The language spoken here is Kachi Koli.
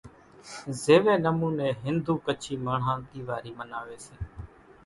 زيوي نموني ھندو ڪڇي ماڻۿان ۮيواري مناوي سي